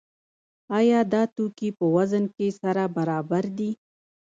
آیا دا توکي په وزن کې سره برابر دي؟